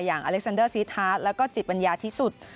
อเล็กซันเดอร์ซีทาสแล้วก็จิตปัญญาที่สุด